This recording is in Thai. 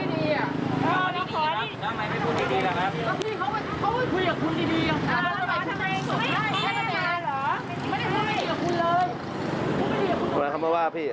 ทำผิดค่ะก็พูดอย่างนี้